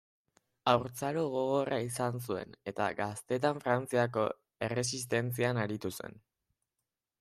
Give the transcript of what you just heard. Haurtzaro gogorra izan zuen, eta gaztetan Frantziako Erresistentzian aritu zen.